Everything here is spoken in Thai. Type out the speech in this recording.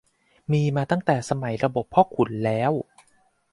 มีมาตั้งแต่สมัยระบบพ่อขุนแล้ว